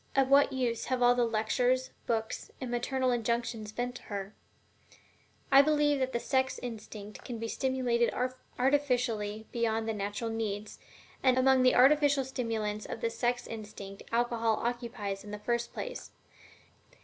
Of what use have all the lectures, books, and maternal injunctions been to her? I believe that the sex instinct can be stimulated artificially beyond the natural needs, and among the artificial stimulants of the sex instinct alcohol occupies the first place.